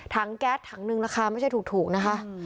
แก๊สถังหนึ่งราคาไม่ใช่ถูกนะคะ